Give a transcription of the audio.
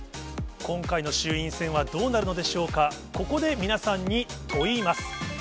今回の衆院選はどうなるのでしょうか、ここで皆さんに問イマス。